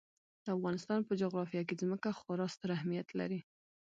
د افغانستان په جغرافیه کې ځمکه خورا ستر اهمیت لري.